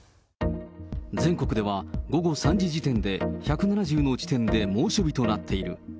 全国では、午後３時時点で１７０の地点で猛暑日となっている。